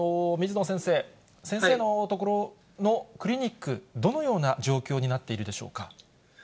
水野先生、先生のところのクリニック、どのような状況になっているでし